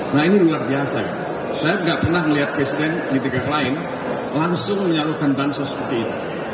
nah ini luar biasa saya nggak pernah melihat presiden di tiga klien langsung menyalurkan pansos seperti itu